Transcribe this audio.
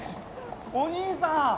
お兄さん。